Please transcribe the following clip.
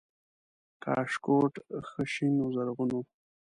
کاشکوټ ښه شین و زرغون و